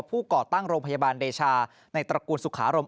ก่อตั้งโรงพยาบาลเดชาในตระกูลสุขารม